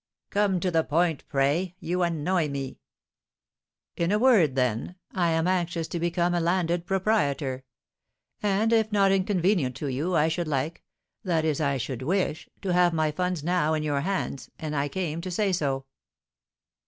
"Come to the point, pray! You annoy me." "In a word, then, I am anxious to become a landed proprietor. And, if not inconvenient to you, I should like that is I should wish to have my funds now in your hands; and I came to say so."